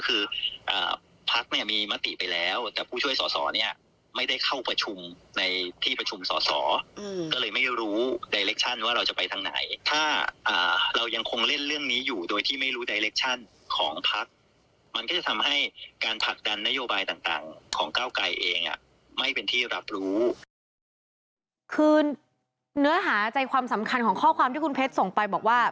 คือเนื้อหาใจความสำคัญของข้อความที่คุณเพชรส่งไปบอกว่า